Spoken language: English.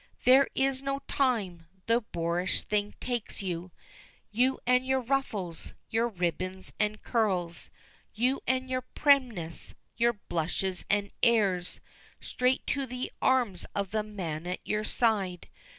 There is no time the boorish thing takes you You and your ruffles, your ribbons and curls, You and your primness, your blushes, and airs, Straight to the arms of the man at your side.